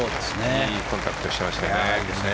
いいコンタクトをしていましたね。